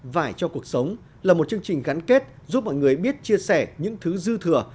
vải cho cuộc sống là một chương trình gắn kết giúp mọi người biết chia sẻ những thứ dư thừa